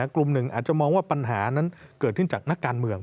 กลุ่มหนึ่งอาจจะมองว่าปัญหานั้นเกิดขึ้นจากนักการเมือง